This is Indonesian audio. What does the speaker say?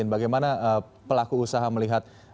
bagaimana pelaku usaha melihat